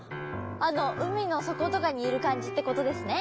あの海の底とかにいる感じってことですね？